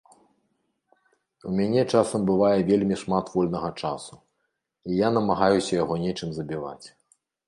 У мяне часам бывае вельмі шмат вольнага часу, і я намагаюся яго нечым забіваць.